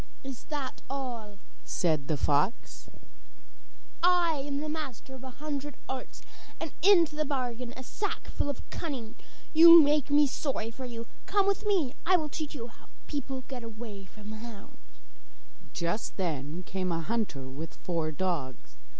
'Is that all?' said the fox. 'I am master of a hundred arts, and have into the bargain a sackful of cunning. You make me sorry for you; come with me, I will teach you how people get away from the hounds.' Just then came a hunter with four dogs.